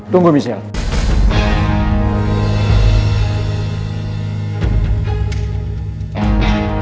dungu mi siang